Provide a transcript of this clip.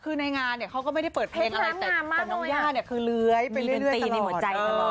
คือในงานเนี่ยเขาก็ไม่ได้เปิดเพลงอะไรแต่น้องย่าเนี่ยคือเลื้อยไปเรื่อยตีในหัวใจตลอด